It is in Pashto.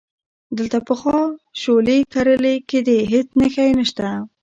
دلته پخوا شولې کرلې کېدې، هیڅ نښه یې نشته،